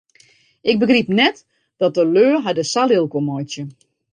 Ik begryp net dat de lju har dêr sa lilk om meitsje.